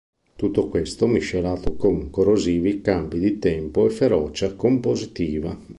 Tutto questo miscelato con corrosivi cambi di tempo e ferocia compositiva.